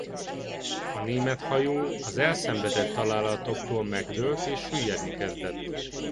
A német hajó az elszenvedett találatoktól megdőlt és süllyedni kezdett.